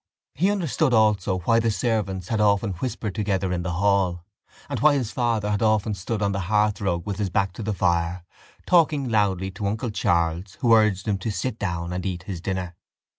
He understood also why the servants had often whispered together in the hall and why his father had often stood on the hearthrug, with his back to the fire, talking loudly to uncle Charles who urged him to sit down and eat his dinner.